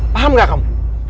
paham gak kamu